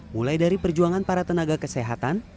mulai dari perjuangan para tenaga kesehatan